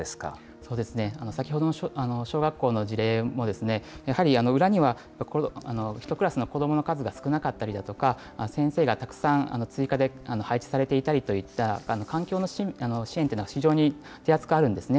そうですね、先ほどの小学校の事例も、やはり裏には１クラスの子どもの数が少なかったりだとか、先生がたくさん追加で配置されていたりといった環境の支援っていうのは、非常に手厚くあるんですね。